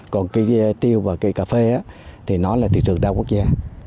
còn cây tiêu và cây cà phê thì nó là thị trường đa quốc gia